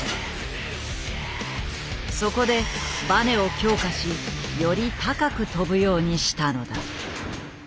そこでバネを強化しより高く跳ぶようにしたのだ。